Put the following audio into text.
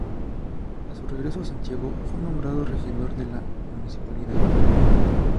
A su regreso a Santiago fue nombrado regidor de la municipalidad.